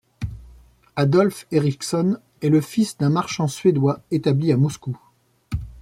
Adolf Erichson est le fils d'un marchand suédois établi à Moscou.